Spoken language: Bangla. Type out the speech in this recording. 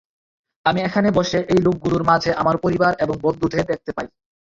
আমি এখানে বসে এই লোকগুলোর মাঝে আমার পরিবার এবং বন্ধুদের দেখতে পাই।